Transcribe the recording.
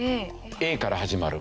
Ａから始まる。